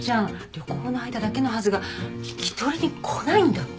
旅行の間だけのはずが引き取りに来ないんだって？